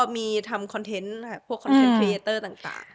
มีทำคอนเทนต์พวกคอนเทนต์พรีเยเตอร์ต่าง